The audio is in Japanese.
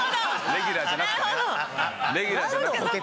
レギュラーじゃなくて補欠。